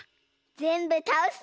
ぜんぶたおすぞ！